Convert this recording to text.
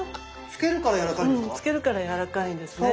漬けるからやわらかいんですか？